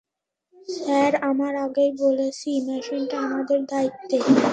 Sir, আমরা আগেই বলেছি, মেশিনটা আমাদের দায়িত্বে।